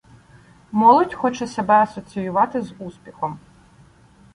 Молодь хоче себе асоціювати з успіхом.